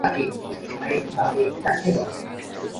毕业于西南科技大学机械制造及自动化专业。